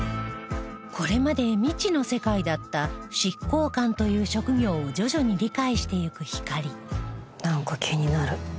これまで未知の世界だった執行官という職業を徐々に理解していくひかりなんか気になる。